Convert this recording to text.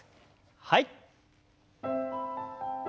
はい。